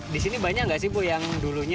disini banyak nggak sih bu yang dulunya